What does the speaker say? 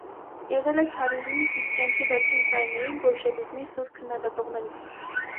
Եղել է ցարիզմի, իսկ կյանքի վերջին տարիներին՝ բոլշևիզմի սուր քննադատողներից։